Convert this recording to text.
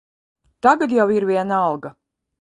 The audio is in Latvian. Tagad jau ir vienalga.